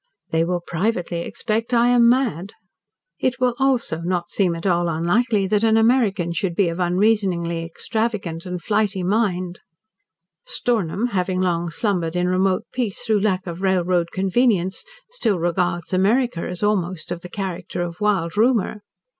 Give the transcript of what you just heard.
They will privately suspect I am mad. It will, also, not seem at all unlikely that an American should be of unreasoningly extravagant and flighty mind. Stornham, having long slumbered in remote peace through lack of railroad convenience, still regards America as almost of the character of wild rumour.